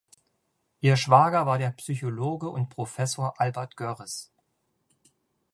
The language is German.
Ihr Schwager war der Psychologe und Professor Albert Görres.